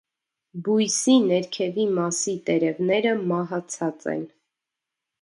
Բույսի ներքևի մասի տերևները մահացած են։